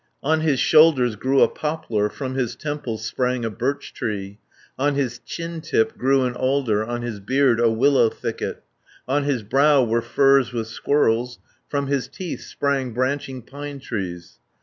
60 On his shoulders grew a poplar, From his temples sprang a birch tree, On his chin tip grew an alder, On his beard a willow thicket, On his brow were firs with squirrels, From his teeth sprang branching pine trees.